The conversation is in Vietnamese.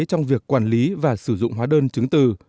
trong việc quản lý và sử dụng hóa đơn chứng từ